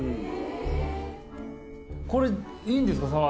これいいんですか？